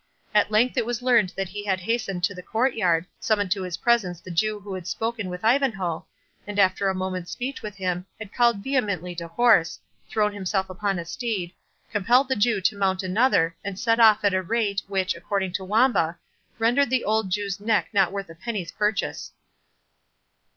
At length it was learned that he had hastened to the court yard, summoned to his presence the Jew who had spoken with Ivanhoe, and after a moment's speech with him, had called vehemently to horse, thrown himself upon a steed, compelled the Jew to mount another, and set off at a rate, which, according to Wamba, rendered the old Jew's neck not worth a penny's purchase.